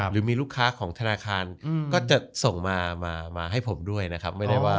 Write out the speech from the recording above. หรือมีลูกค้าของธนาคารก็จะส่งมามาให้ผมด้วยนะครับ